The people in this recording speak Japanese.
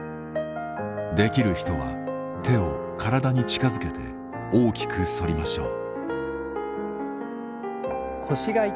できる人は手を体に近づけて大きく反りましょう。